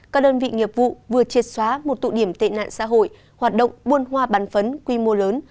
các đơn vị nghiệp vụ vừa triệt xóa một tụ điểm tệ nạn xã hội hoạt động buôn hoa bán phấn quy mô lớn